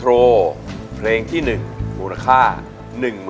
รูปชุดเพลงที่หนึ่ง